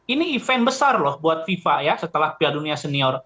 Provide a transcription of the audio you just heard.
ini event besar loh buat fifa ya setelah piala dunia senior